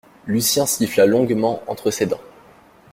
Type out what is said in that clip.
Lucien siffla longuement entre ses dents.